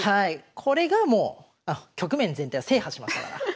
これがもう局面全体を制覇しましたから。